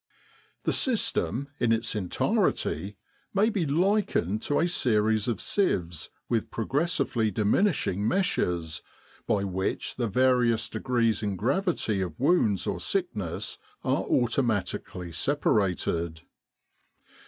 The system, in its entirety, may be likened to a series of sieves with progressively diminishing meshes, by which the various degrees in gravity of wounds or sickness are automatically separated.